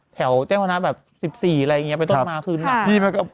แถวแจ้งคะฮนาแบบสิบสี่อะไรอย่างเนี้ยไปต้นมาคืนน่ะครับ